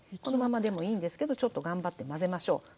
このままでもいいんですけどちょっと頑張って混ぜましょう。